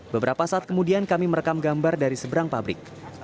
beberapa saat kemudian kami merekam gambar dari seberang pabrik